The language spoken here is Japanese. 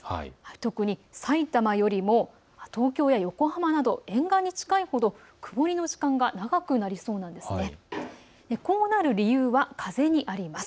特にさいたまよりも東京や横浜など沿岸に近いほど曇りの時間が長くなりそうです。